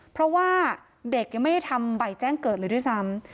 เพราะว่าเด็กยังไม่ได้ทำใบแจ้งเกิดเลยด้วยซ้ำ